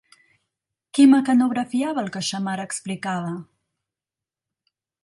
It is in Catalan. Qui mecanografiava el que Xammar explicava?